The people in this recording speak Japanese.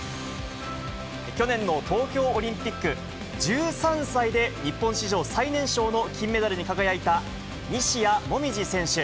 去年の東京オリンピック、１３歳で日本史上最年少の金メダルに輝いた西矢椛選手。